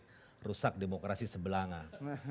formasi setitik rusak demokrasi sebelangah